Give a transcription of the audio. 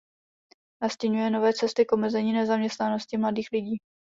Nastiňuje nové cesty k omezení nezaměstnanosti mladých lidí.